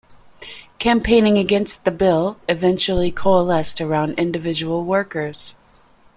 Campaigning against the Bill eventually coalesced around individual workers.